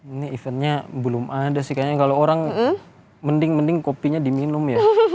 ini eventnya belum ada sih kayaknya kalau orang mending mending kopinya diminum ya